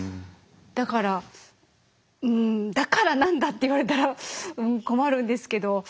だからうんだから何だって言われたら困るんですけど。